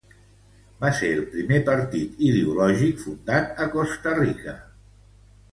Va ser el primer partit ideològic fundat a Costa Rica.